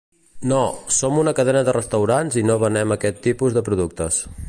No, som una cadena de restaurants i no venem aquest tipus de productes.